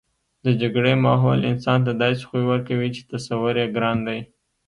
د جګړې ماحول انسان ته داسې خوی ورکوي چې تصور یې ګران دی